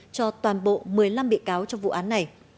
cho toàn bộ một mươi năm bị cáo trong vụ án này